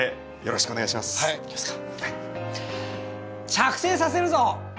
着生させるぞ！